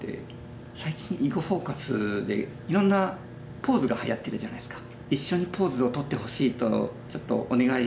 最近「囲碁フォーカス」でいろんなポーズがはやってるじゃないですか。